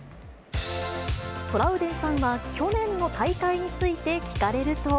トラウデンさんは去年の大会について聞かれると。